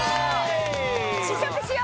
試食しよ